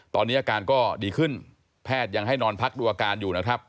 ตอนนี้อาการก็ดีขึ้นแพทย์ยังให้นอนพักดูอาการอยู่นะครับ